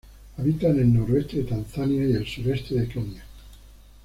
Habita en el noreste de Tanzania y el sureste de Kenya.